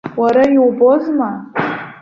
Уара иубозма?